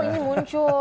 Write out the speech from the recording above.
ini sih pengen muncul